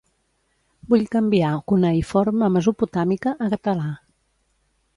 Vull canviar cuneïforme mesopotàmica a català.